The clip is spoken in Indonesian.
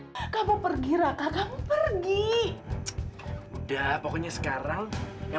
sampai jumpa di video selanjutnya